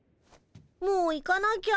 もう行かなきゃ。